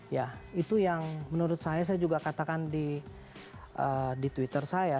ya itu yang menurut saya saya juga katakan di twitter saya